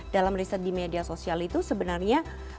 dalam riset di media sosial itu sebenarnya